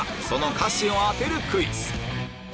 その歌詞を当てるクイズ